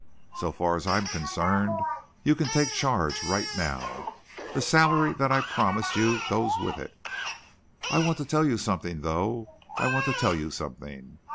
So far as I'm concerned you can take charge right now! The salary that I promised you goes with it. I want to tell you something, though! I want to tell you something!